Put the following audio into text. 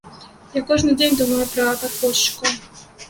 Я кожны дзень думаю пра падпольшчыкаў.